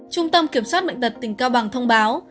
trung tâm kiểm soát bệnh tật tỉnh cao bằng thông báo